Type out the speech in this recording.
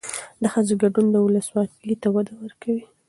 د ښځو ګډون ولسواکۍ ته وده ورکوي.